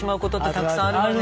たくさんあるわね。